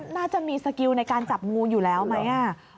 น่าจะมีสกิลในการจับงูอยู่แล้วไหม